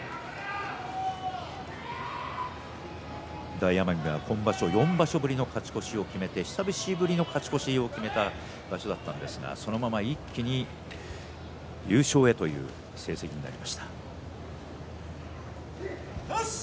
大奄美は今場所４場所ぶりの勝ち越しを決めて久しぶりの勝ち越しを決めた場所だったんですがそのまま一気に優勝へという成績になりました。